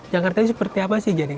jakarta ini seperti apa sih jadi